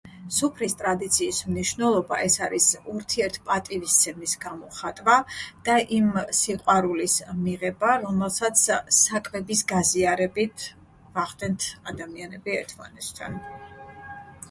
სუფრის ტრადიციის მნიშვნელობა ეს არის ურთიერთპატივისცემის გამოხატვა და იმ სიყვარულის მიღება, რომელსაც საკვების გაზიარებით ვახდენთ ადამიანები ერთმანეთთან.